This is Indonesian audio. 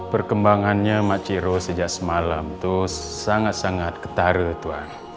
perkembangannya mak ciro sejak semalam itu sangat sangat ketarik tuhan